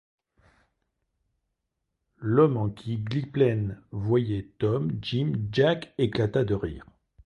L’homme en qui Gwynplaine voyait Tom-Jim-Jack éclata de rire.